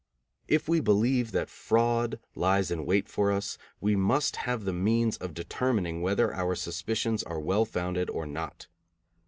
If we believe that fraud lies in wait for us, we must have the means of determining whether our suspicions are well founded or not.